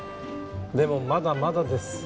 でもまだまだです。